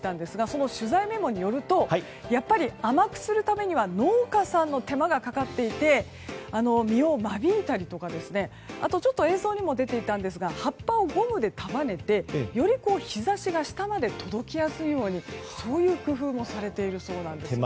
その取材メモによるとやっぱり甘くするためには農家さんの手間がかかっていて実を間引いたりとかあと、映像にもありましたが葉っぱをゴムで束ねてより日差しが下まで届きやすいようにそういう工夫もされているそうです。